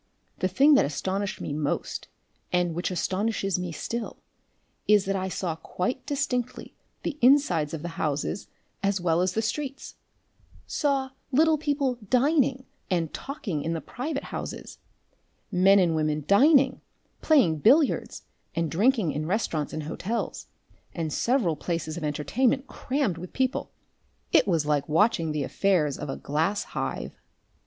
The thing that astonished me most, and which astonishes me still, is that I saw quite distinctly the insides of the houses as well as the streets, saw little people dining and talking in the private houses, men and women dining, playing billiards, and drinking in restaurants and hotels, and several places of entertainment crammed with people. It was like watching the affairs of a glass hive."